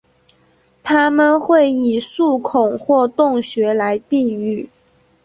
它们会以树孔或洞穴来避雨。